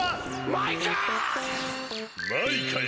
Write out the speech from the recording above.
マイカよ。